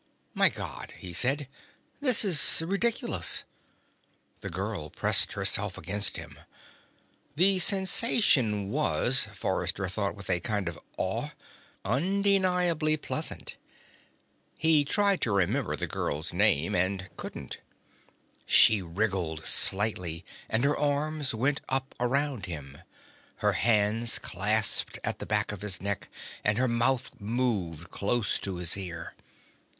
"My God," he said. "This is ridiculous." The girl pressed herself against him. The sensation was, Forrester thought with a kind of awe, undeniably pleasant. He tried to remember the girl's name, and couldn't. She wriggled slightly and her arms went up around him. Her hands clasped at the back of his neck and her mouth moved, close to his ear.